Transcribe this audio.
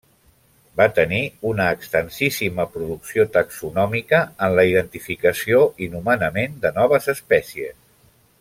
Va tenir una extensíssima producció taxonòmica en la identificació i nomenament de noves espècies.